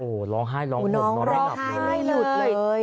โอ้โฮร้องไห้ร้องห่มร้องห่ายร้องห่ายเลย